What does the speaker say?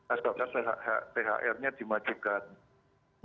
asalkan thr nya dimajukan